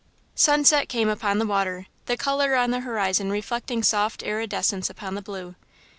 Sunset came upon the water, the colour on the horizon reflecting soft iridescence upon the blue.